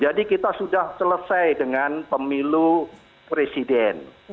jadi kita sudah selesai dengan pemilu presiden